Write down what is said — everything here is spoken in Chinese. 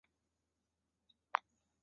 在顶部获得下一条线索。